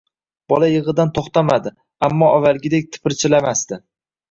Bola yig‘idan to‘xtamadi, ammo avvalgidek tipirchilamasdi.